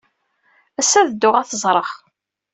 Ass-a, ad dduɣ ad t-ẓreɣ.